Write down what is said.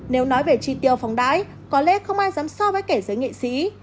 nếu nói về tri tiêu phóng đái có lẽ không ai dám so với kẻ giới nghệ sĩ